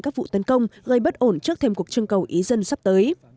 các vụ tấn công gây bất ổn trước thêm cuộc trưng cầu ý dân sắp tới